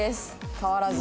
変わらず。